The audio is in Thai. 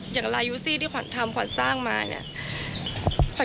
อย่างลายูซี่ที่ขวัญทำขวัญสร้างมาเนี่ย